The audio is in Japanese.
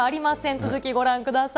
続きご覧ください。